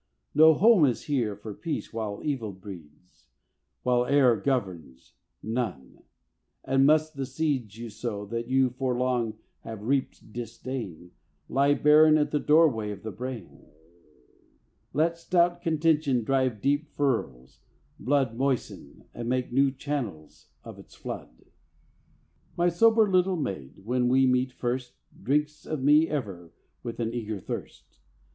No home is here for peace while evil breeds, While error governs, none; and must the seeds You sow, you that for long have reaped disdain, Lie barren at the doorway of the brain, Let stout contention drive deep furrows, blood Moisten, and make new channels of its flood! My sober little maid, when we meet first, Drinks of me ever with an eager thirst.